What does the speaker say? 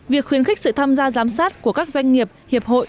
việc khuyến khích sự tham gia giám sát của các doanh nghiệp hiệp hội